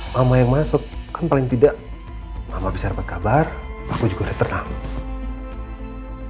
mama yang masuk kan paling tidak mama bisa dapat kabar aku juga udah terang